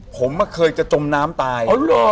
ผมเคยจะจมน้ำตาย